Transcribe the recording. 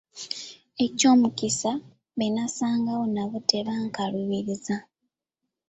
Eky'omukisa, be nnasangawo nabo tebankaluubiriza.